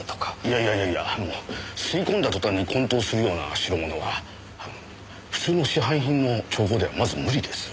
いやいやいやあの吸い込んだ途端に昏倒するような代物は普通の市販品の調合ではまず無理です。